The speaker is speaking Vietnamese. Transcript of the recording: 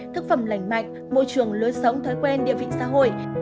thực phẩm lành mạnh môi trường lối sống thói quen địa vị xã hội